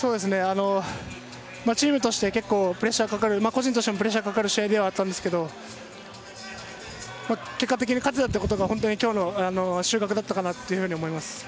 チームとして結構、個人としてもプレッシャーがかかる試合ではあったんですけれど、結果的に勝てたということが今日の収穫だったと思います。